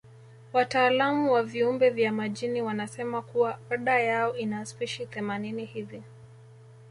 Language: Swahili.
Wataalamu wa viumbe vya majini wanasema kuwa oda yao ina spishi themanini hivi